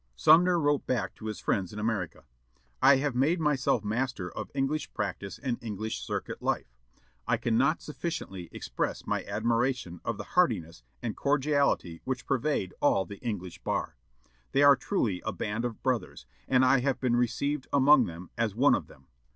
Sumner wrote back to his friends in America: "I have made myself master of English practice and English circuit life. I cannot sufficiently express my admiration of the heartiness and cordiality which pervade all the English bar. They are truly a band of brothers, and I have been received among them as one of them.